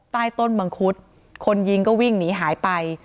ใต้ต้นมังคุดคนยิงก็วิ่งหนีหายไป